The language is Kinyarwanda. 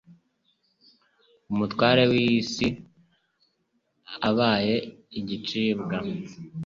Umutware w'iyi si abaye igicibwa.